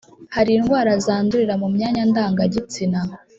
hari indwara zandurira mu myanya ndangagitsina,